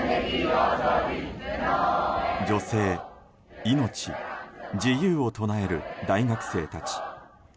女性、命、自由を唱える大学生たち。